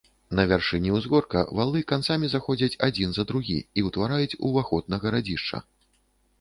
На вяршыні ўзгорка валы канцамі заходзяць адзін за другі і ўтвараюць уваход на гарадзішча.